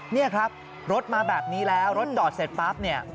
นี่ครับรถมาแบบนี้แล้วรถจอดเสร็จปั๊บเนี่ย